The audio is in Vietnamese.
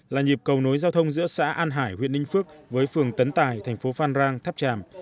là nhịp cầu nối giao thông giữa xã an hải huyện ninh phước với phường tấn tài thành phố phan rang tháp tràm